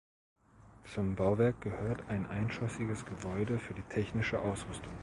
Zum Bauwerk gehört ein eingeschossiges Gebäude für die technische Ausrüstung.